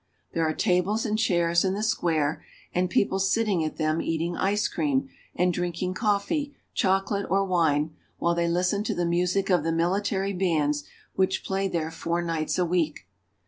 There are tables and chairs in the square, and people sitting at them eating ice cream and drinking coffee, chocolate, or wine, while they listen to the music of the military bands which play there four nights a week.